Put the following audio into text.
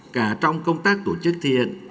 cả trong công tác tổ chức thiện